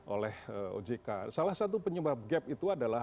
oleh ojk salah satu penyebab gap itu adalah